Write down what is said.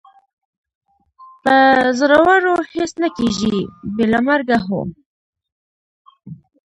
په زړورو هېڅ نه کېږي، بې له مرګه، هو.